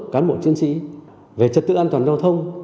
cán bộ chiến sĩ về trật tự an toàn giao thông